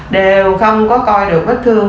đều không có coi được vết thương